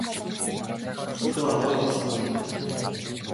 Ах дүү арван хоёр сар минь баяртай.